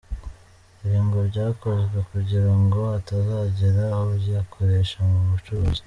Ibi ngo byakozwe kugira ngo hatazagira uyakoresha mu bucuruzi.